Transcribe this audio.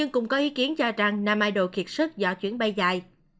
có ý kiến cho rằng nam idol kiệt sức do chuyến bay dài